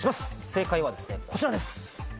正解はこちらです。